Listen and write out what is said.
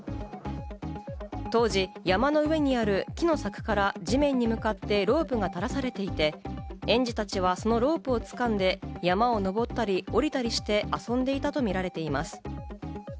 当時、山の上にある木の柵から地面に向かってロープが垂らされていて、園児たちはそのロープを掴んで山を登ったり降りたりして遊んでいたとみられています。